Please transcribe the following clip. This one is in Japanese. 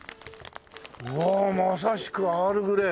うわあまさしくアールグレイ。